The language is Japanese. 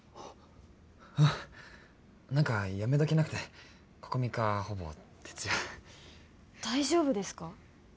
うん何かやめ時なくてここ３日ほぼ徹夜大丈夫ですか？